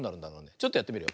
ちょっとやってみるよ。